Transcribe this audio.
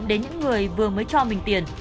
đến những người vừa mới cho mình tiền